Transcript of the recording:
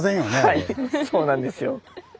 はいそうなんですね。